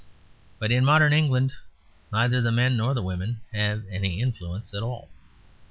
But in modern England neither the men nor the women have any influence at all.